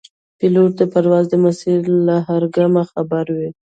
پیلوټ د پرواز د مسیر له هر ګامه خبر وي.